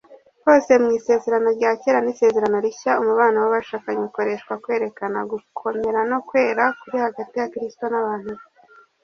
Hose mw’Isezerano rya Kera n’Isezerano Rishya, umubano w’abashakanye ukoreshwa kwerekana gukomera no kwera kuri hagati ya Kristo n’abantu be